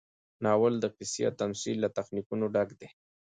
ناول د قصې او تمثیل له تخنیکونو ډک دی.